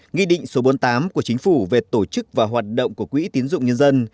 nghị định số bốn mươi tám của chính phủ về tổ chức và hoạt động của quỹ tiến dụng nhân dân